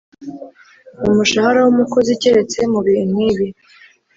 Umushahara w umukozi keretse mu bihe nkibi